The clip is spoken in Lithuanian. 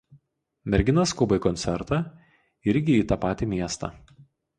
Mergina skuba į koncertą irgi į tą patį miestą.